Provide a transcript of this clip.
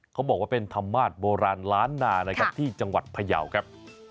เขาบอกว่าเป็นธรรมาสโบราณล้านนานะครับที่จังหวัดพยาวครับ